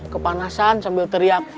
kepanasan sambil teriak